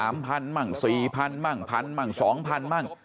๓๐๐๐มั่ง๔๐๐๐มั่ง๑๐๐๐มั่ง๒๐๐๐มั่ง